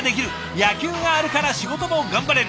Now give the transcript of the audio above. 野球があるから仕事も頑張れる。